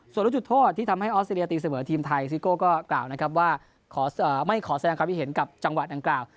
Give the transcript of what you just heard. ส่วนรู้จุดโทษที่ทำให้ออสเตรเลียตีเสมอทีมไทยซิโก้ก็กล่าวนะครับว่าไม่ขอแสดงความคิดเห็นกับจังหวะดังกล่าว